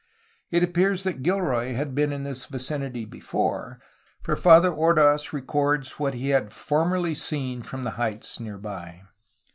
It appears 436 A HISTORY OF CALIFORNIA that Gilroy had been in this vicinity before, for Father Ordaz records what he had formerly seen from the heights near by.